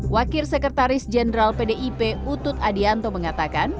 wakil sekretaris jenderal pdip utut adianto mengatakan